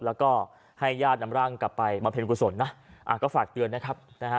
แล้วก็ให้ญาตินำร่างกลับไปบำเพ็ญกุศลนะอ่าก็ฝากเตือนนะครับนะฮะ